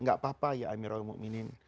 nggak apa apa ya amirul mu'minin